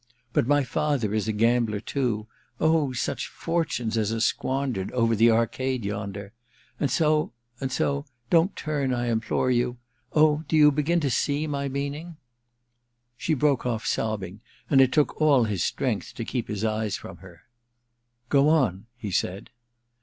But my father is a gambler too — oh, such fortunes as are squandered over the arcade yonder ! And so — and so— don't turn, I im plore you — oh, do you begin to see my meaning ?' She broke off sobbing, and it took all his strength to keep his eyes from her. * Go on,' he sjud.